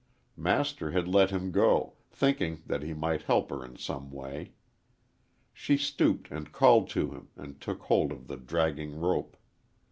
Master had let him go, thinking that he might help her in some way. She stooped and called to him and took hold of the dragging rope.